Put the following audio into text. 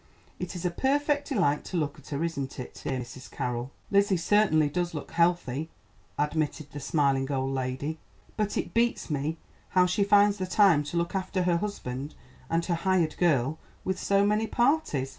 It is a perfect delight to look at her, isn't it, dear Mrs. Carroll?" "Lizzie certainly does look healthy," admitted the smiling old lady, "but it beats me how she finds time to look after her husband and her hired girl with so many parties."